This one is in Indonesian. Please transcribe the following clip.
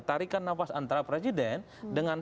tarikan nafas antara presiden dengan